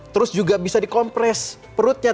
terus juga bisa di kompres perutnya